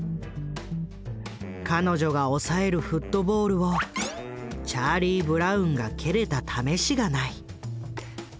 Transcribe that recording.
彼女が押さえるフットボールをチャーリー・ブラウンが蹴れたためしがない。